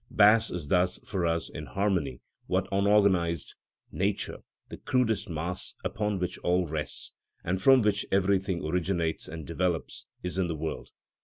Bass is thus, for us, in harmony what unorganised nature, the crudest mass, upon which all rests, and from which everything originates and develops, is in the world.